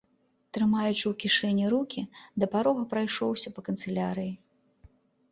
Трымаючы ў кішэні рукі, да парога прайшоўся па канцылярыі.